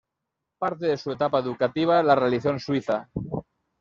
Parte de su etapa educativa la realizó en Suiza.